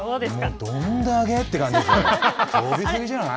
もうどんだけって感じですね。